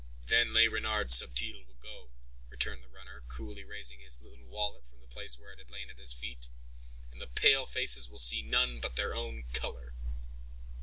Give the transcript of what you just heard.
"Then Le Renard Subtil will go," returned the runner, coolly raising his little wallet from the place where it had lain at his feet; "and the pale faces will see none but their own color."